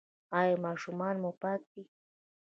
ایا ماشومان مو پاک دي؟